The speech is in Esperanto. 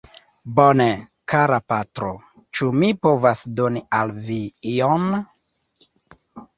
Bone, kara patro; ĉu mi povas doni al vi ion?